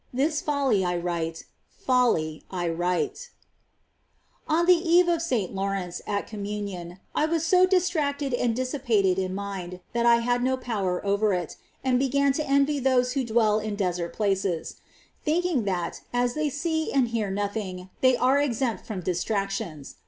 This folly I write .... folly I write 26, On the eve of S. Laurence, at Communion, I was so distracted and dissipated in mind, that I had no power over it, and began to envy those who dwell in desert places ; thinking that, as they see and hear nothing, they are exempt from dis tractions.